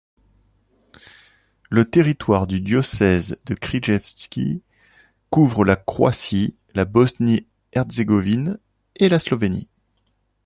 Le territoire du diocèse de Križevci couvre la Croatie, la Bosnie-Herzégovine et la Slovénie.